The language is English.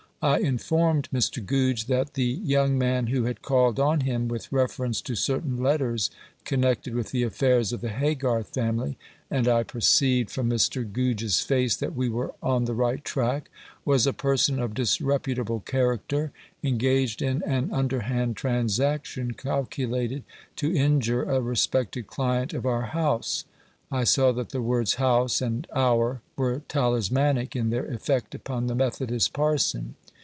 I informed Mr. Goodge that the young man who had called on him with reference to certain letters connected with the affairs of the Haygarth family and I perceived from Mr. Goodge's face that we were on the right track was a person of disreputable character, engaged in an underhand transaction calculated to injure a respected client of our house. I saw that the words "house" and "our" were talismanic in their effect upon the Methodist parson.